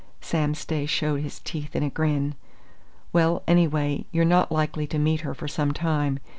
Sam Stay showed his teeth in a grin. "Well, anyway, you're not likely to meet her for some time.